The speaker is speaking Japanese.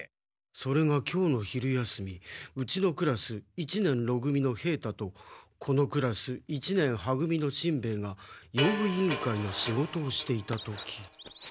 それが今日の昼休みうちのクラス一年ろ組の平太とこのクラス一年は組のしんベヱが用具委員会の仕事をしていた時。